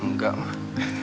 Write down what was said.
aku mau ke rumah